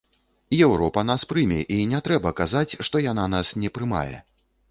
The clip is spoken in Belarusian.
Еўропа нас прыме, і не трэба казаць, што яна нас не прымае.